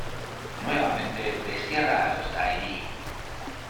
Nuevamente, destierra a los Dai Li.